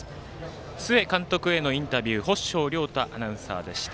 須江監督へのインタビュー法性亮太アナウンサーでした。